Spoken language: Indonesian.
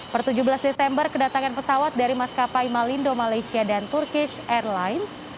per tujuh belas desember kedatangan pesawat dari maskapai malindo malaysia dan turkish airlines